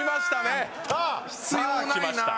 さあきました！